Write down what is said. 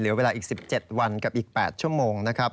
เวลาอีก๑๗วันกับอีก๘ชั่วโมงนะครับ